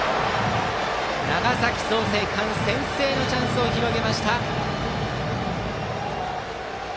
長崎・創成館先制のチャンスを広げました。